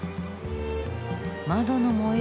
窓の模様